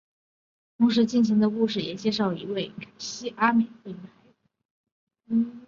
同时进行的故事也介绍的一位名叫凯西阿美斯的女孩。